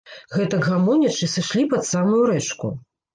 Гэтак гамонячы, сышлі пад самую рэчку.